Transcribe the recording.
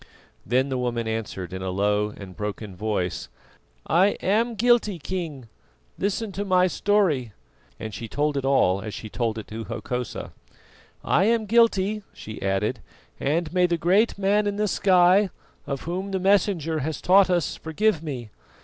Then the woman answered in a low and broken voice: "I am guilty, King. Listen to my story:" and she told it all as she told it to Hokosa. "I am guilty," she added, "and may the Great Man in the sky, of Whom the Messenger has taught us, forgive me.